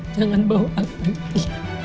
jangan bawa al pergi